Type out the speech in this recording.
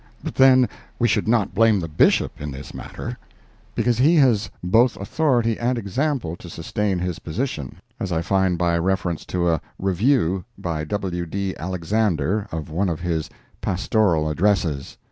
But then we should not blame the Bishop in this matter, because he has both authority and example to sustain his position, as I find by reference to a "Review" by W. D. Alexander of one of his "Pastoral Addresses."